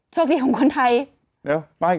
โชคดีของคนไทย